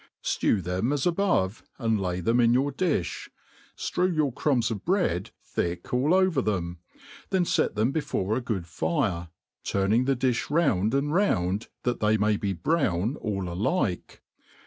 * STEW them as above, and lay them inyour dUh v ftrevir yout crunibs of bread thick all over them, tHen fet tVem be fore a gobd fire, tumrng the difli round and round, that they tnay be brown all alike.